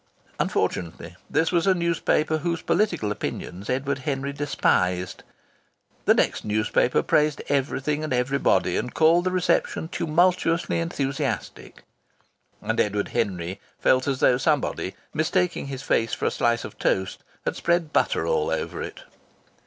Unfortunately this was a newspaper whose political opinions Edward Henry despised. The next newspaper praised everything and everybody, and called the reception tumultuously enthusiastic. And Edward Henry felt as though somebody, mistaking his face for a slice of toast, had spread butter all over it.